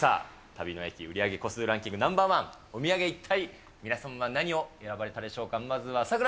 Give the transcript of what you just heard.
旅の駅売り上げ個数ランキング、ナンバーワン、皆さんは何を選ばれたんでしょうか。